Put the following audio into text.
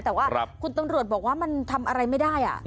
แต่ว่าคุณตำรวจบอกว่ามันทำอะไรไม่ได้